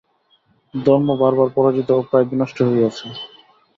ধর্ম বারবার পরাজিত ও প্রায় বিনষ্ট হইয়াছে।